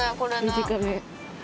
短め。